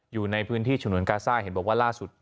อยู่ในพื้นที่ฉนวนกาซ่าเห็นบอกว่าล่าสุด